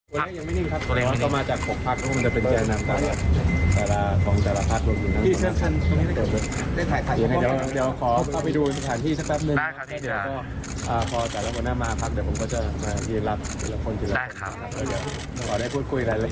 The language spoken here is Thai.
วันน่ามาเดี๋ยวผมก็จะมาเย็นรับแต่ละคน